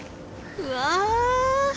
うわ。